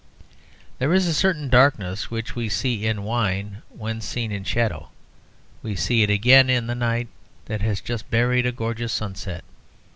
There is a certain darkness which we see in wine when seen in shadow; we see it again in the night that has just buried a gorgeous sunset.